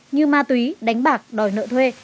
như ma túy đánh bạc đòi nợ thuê